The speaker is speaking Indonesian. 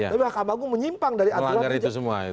tapi mahkamah agung menyimpang dari aturan